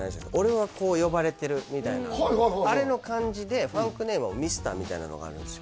俺はこう呼ばれてるみたいなはいはいはいはいあれの感じでファンクネームはミスターみたいなのがあるんですよ